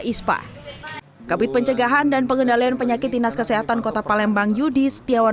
ispa kabut pencegahan dan pengendalian penyakit dinas kesehatan kota palembang yudi setiawan